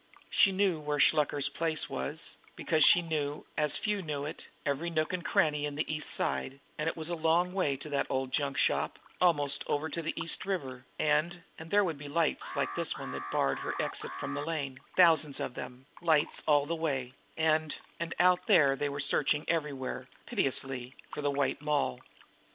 She knew where Shluker's place was, because she knew, as few knew it, every nook and cranny in the East Side, and it was a long way to that old junk shop, almost over to the East River, and and there would be lights like this one here that barred her exit from the lane, thousands of them, lights all the way, and and out there they were searching everywhere, pitilessly, for the White Moll.